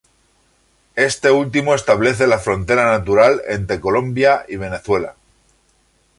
Este último establece la frontera natural entre Colombia y Venezuela.